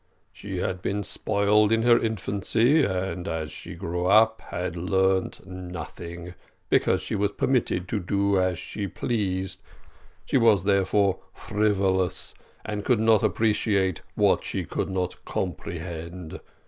She had been spoiled in her infancy, and as she grew up had learned nothing, because she was permitted to do as she pleased; she was therefore frivolous, and could not appreciate what she could not comprehend.